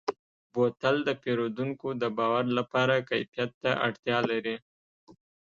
بوتل د پیرودونکو د باور لپاره کیفیت ته اړتیا لري.